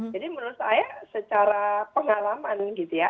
jadi menurut saya secara pengalaman gitu ya